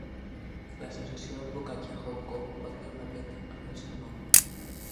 L'Associació d'Advocats de Hong Kong va crear una beca amb el seu nom.